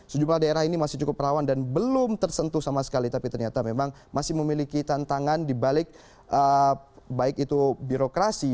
sejumlah daerah ini masih cukup rawan dan belum tersentuh sama sekali tapi ternyata memang masih memiliki tantangan dibalik baik itu birokrasi